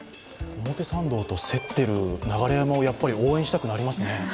表参道と競っている流山を応援したくなりますね。